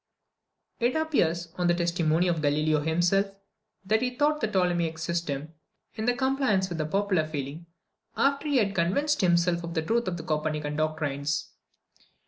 It appears, on the testimony of Galileo himself, that he taught the Ptolemaic system, in compliance with the popular feeling, after he had convinced himself of the truth of the Copernican doctrines.